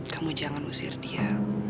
kamu jangan usir dia